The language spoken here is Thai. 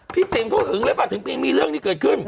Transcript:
ติ๋มเขาหึงหรือเปล่าถึงมีเรื่องนี้เกิดขึ้น